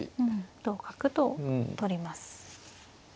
同角と取ります。